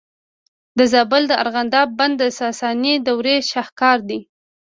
د زابل د ارغنداب بند د ساساني دورې شاهکار دی